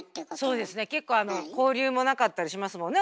そうですね結構交流もなかったりしますもんね